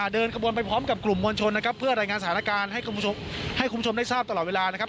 เดินกระบวนไปพร้อมกับกลุ่มมวลชนนะครับเพื่อรายงานสถานการณ์ให้คุณผู้ชมได้ทราบตลอดเวลานะครับ